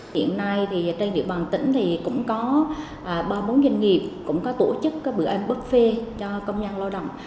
hiện nay trên địa bàn tỉnh thì cũng có ba mươi bốn doanh nghiệp cũng có tổ chức bữa ăn boodfi cho công nhân lao động